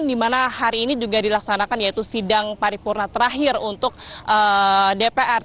di mana hari ini juga dilaksanakan yaitu sidang paripurna terakhir untuk dpr